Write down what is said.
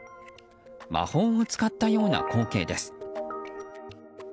魔法を使ったような光景です。